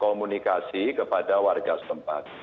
komunikasi kepada warga sempat